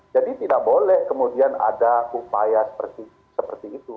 jadi tidak boleh kemudian ada upaya seperti itu